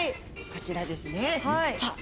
こちらですねさあ